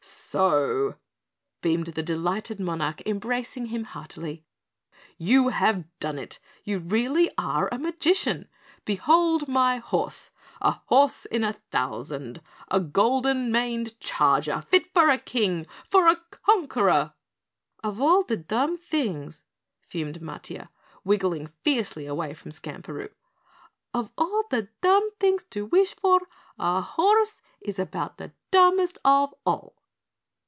"So!" beamed the delighted monarch, embracing him heartily. "You have done it. You really are a magician. Behold my horse, a horse in a thousand. A golden maned charger fit for a King, for a Conqueror " "Of all the dumb things," fumed Matiah, wriggling fiercely away from Skamperoo, "of all the dumb things to wish for, a horse is about the dumbest of all!"